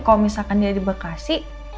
kalau misalkan dia di bekasi